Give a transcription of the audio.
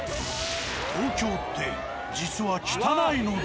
東京って実は汚いのでは？